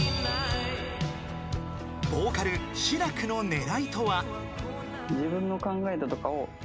［ボーカルしらくの狙いとは］